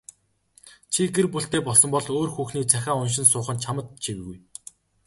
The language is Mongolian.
Чи гэр бүлтэй болсон бол өөр хүүхний захиа уншин суух нь чамд ч эвгүй.